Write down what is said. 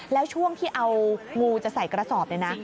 แล้วช่วงที่เอางูจะใส่กระสอบเนี่ยนะ